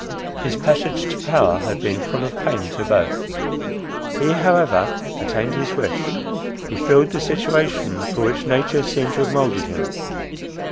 His passage to power had been full of pain to both. He however attained his wish; he filled the situation for which nature seemed to have moulded him.